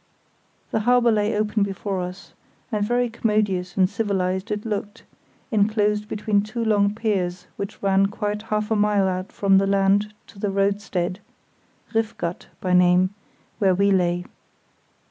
The harbour lay open before us, and very commodious and civilised it looked, enclosed between two long piers which ran quite half a mile out from the land to the roadstead (Riff Gat by name) where we lay.